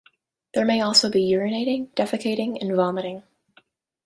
There may also be urinating, defecating, and vomiting.